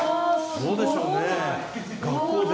そうでしょうね学校で。